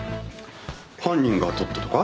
犯人が撮ったとか？